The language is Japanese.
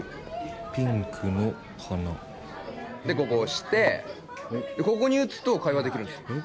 ピンクの花でここ押してここに打つと会話できるんですよ